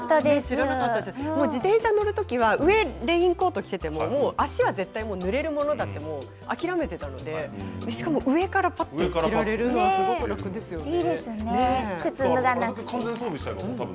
自転車のときは上レインコート着ていても多少絶対にぬれるものだって諦めていたのでしかも上からぱっと着られるのはすごく楽ですよね。